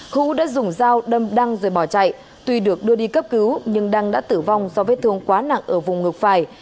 hữu đã dùng dao đâm đăng rồi bỏ chạy tuy được đưa đi cấp cứu nhưng đăng đã tử vong do vết thương quá nặng ở vùng ngược phải